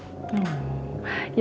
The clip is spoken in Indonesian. siapa tau nanti al mau makan supnya